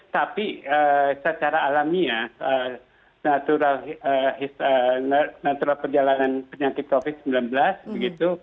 tapi secara alamiah natural perjalanan penyakit covid sembilan belas begitu